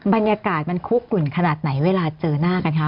บรรยากาศมันคุกกลุ่นขนาดไหนเวลาเจอหน้ากันคะ